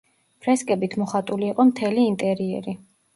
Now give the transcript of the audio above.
ფრესკებით მოხატული იყო მთელი ინტერიერი.